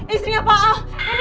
istrinya pak al